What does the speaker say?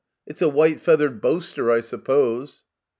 It's a white feathered Boaster, I suppose.